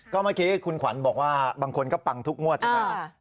ก็เมื่อกี้คุณขวัญบอกว่าบางคนก็ปังทุกงวดใช่ไหม